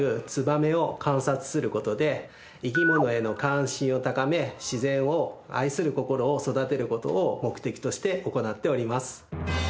生き物への関心を高め自然を愛する心を育てる事を目的として行っております。